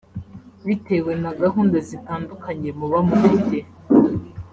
Bitewe na gahunda zitandukanye muba mufite